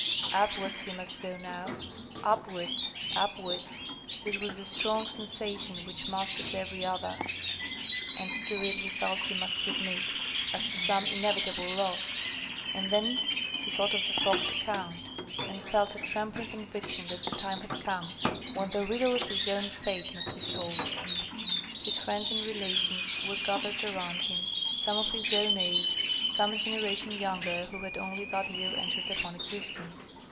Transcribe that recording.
Upwards he must go now, upwards, upwards! That was the strong sensation which mastered every other, and to it he felt he must submit, as to some inevitable law. And then he thought of the Frog's account, and felt a trembling conviction that the time had come, when the riddle of his own fate must be solved. His friends and relations were gathered around him, some of his own age, some a generation younger, who had only that year entered upon existence.